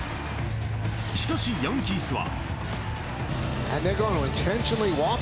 しかし、ヤンキースは。